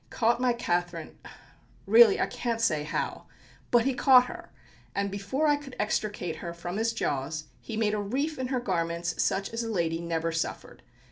caught my Catherine really I can't say how but he caught her; and before I could extricate her from his jaws, he made a reef in her garments such as lady never suffered.